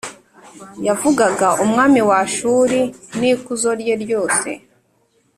yavugaga umwami wa Ashuru n’ikuzo rye ryose